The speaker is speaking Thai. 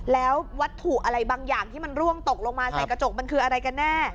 แล้ววัตถุอะไรบางอย่างที่มันร่วงตกลงมาใส่กระจกมันคืออะไรกันแน่